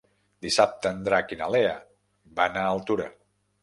Dissabte en Drac i na Lea van a Altura.